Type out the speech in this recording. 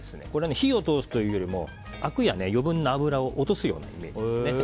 火を通すというよりもあくや余分な脂を落とすようなイメージですね。